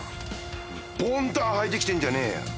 ボンタンはいてきてんじゃねえよ。